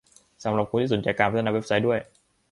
สำหรับคนที่สนใจการพัฒนาเว็บไซต์ด้วย